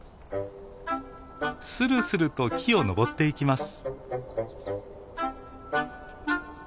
するすると木を登っていきます。